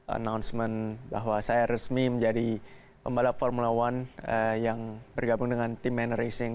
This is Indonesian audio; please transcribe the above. announcement bahwa saya resmi menjadi pembalap formula one yang bergabung dengan tim manor racing